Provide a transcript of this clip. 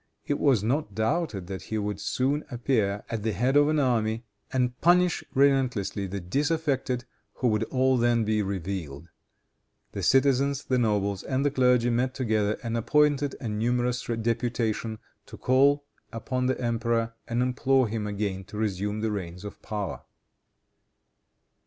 It was not doubted that he would soon appear at the head of an army, and punish relentlessly the disaffected, who would all then be revealed. The citizens, the nobles and the clergy met together and appointed a numerous deputation to call upon the emperor and implore him again to resume the reins of power.